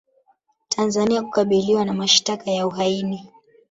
Tanzania kukabiliwa na mashtaka ya uhaini